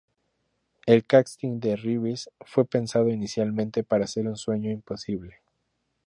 El casting de Reeves fue pensado inicialmente para ser un sueño imposible.